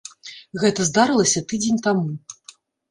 Гэта здарылася тыдзень таму.